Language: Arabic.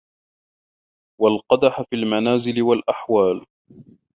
وَالْقَدَحَ فِي الْمَنَازِلِ وَالْأَحْوَالِ